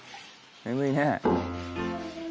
眠いね。